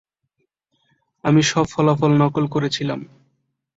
আমি সব ফলাফল নকল করেছিলাম।